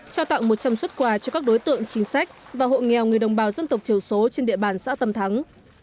trao tặng một trăm linh xuất quà cho các đối tượng chính sách và hộ nghèo người đồng bào dân tộc thiểu số trên địa bàn xã tâm thắng